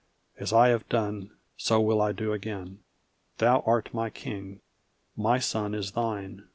As I have done, so will I do again. "Thou art my king; my son is thine.